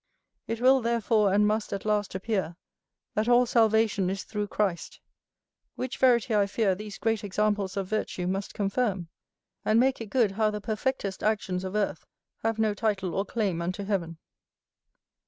It will, therefore, and must, at last appear, that all salvation is through Christ; which verity, I fear, these great examples of virtue must confirm, and make it good how the perfectest actions of earth have no title or claim unto heaven.